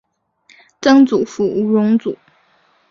曾祖父吴荣祖。